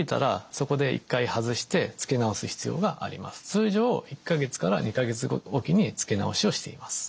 通常１２か月置きに付け直しをしています。